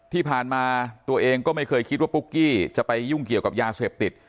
ที่ผ่านมาตัวเองก็ไม่เคยคิดว่าปุ๊กกี้จะไปยุ่งเกี่ยวกับยาเสพติด